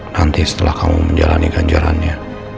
nanti setelah kamu menjalani ganjarannya